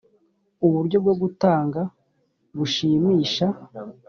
uburyo bwo gutanga bushimisha